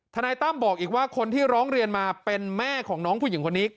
นายตั้มบอกอีกว่าคนที่ร้องเรียนมาเป็นแม่ของน้องผู้หญิงคนนี้